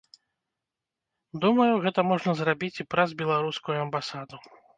Думаю, гэта можна зрабіць і праз беларускую амбасаду.